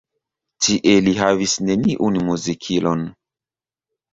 Tie li havis neniun muzikilon.